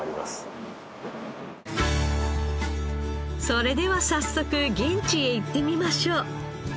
それでは早速現地へ行ってみましょう。